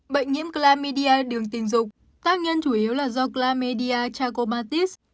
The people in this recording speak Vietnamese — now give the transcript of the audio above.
bệnh nhiễm glamidia đường tình dục tác nhân chủ yếu là do glamidia chacomatis